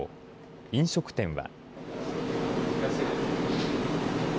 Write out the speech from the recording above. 飲食店は。